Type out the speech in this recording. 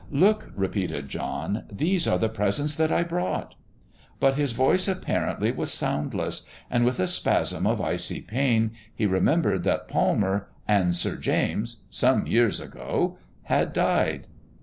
"Look!" repeated John, "these are the presents that I brought." But his voice apparently was soundless. And, with a spasm of icy pain, he remembered that Palmer and Sir James some years ago had died.